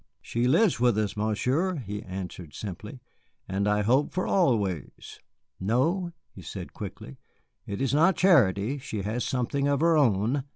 "She lives with us, Monsieur," he answered simply, "and I hope for always. No," he said quickly, "it is not charity, she has something of her own.